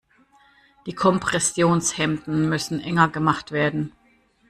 Die Kompressionshemden müssen enger gemacht werden.